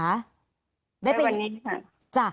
ไปวันนี้ค่ะ